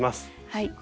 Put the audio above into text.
はい。